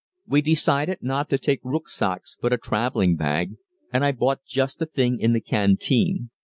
We decided not to take rücksacks but a traveling bag, and I bought just the thing in the canteen.